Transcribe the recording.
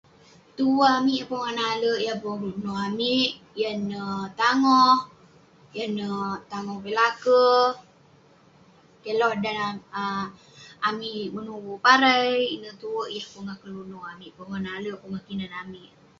Tuvu amik yah pongah nale', yah pongah keluno amik yan neh tangoh. Yan neh tangoh uveik laker. Keh loh kek dan um amik menuvu parai. Ineh tue yah pongah keluno amik, pongah nale', pongah kinan amik.